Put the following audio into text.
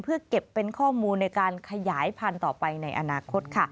เพื่อเก็บเป็นข้อมูลในการขยายพันธุ์ต่อไปในอนาคตค่ะ